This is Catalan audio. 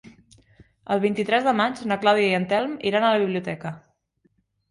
El vint-i-tres de maig na Clàudia i en Telm iran a la biblioteca.